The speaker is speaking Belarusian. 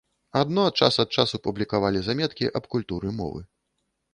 Адно, час ад часу публікавалі заметкі аб культуры мовы.